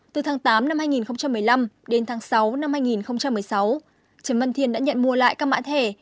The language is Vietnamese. từ tháng tám năm hai nghìn một mươi năm đến tháng sáu năm hai nghìn một mươi sáu trần văn thiên đã nhận mua lại các mã thẻ